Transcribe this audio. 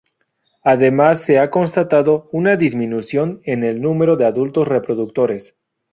Además se ha constatado una disminución en el número de adultos reproductores.